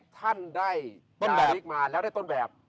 ท่านได้อาริกมาแล้วได้ต้นแบบ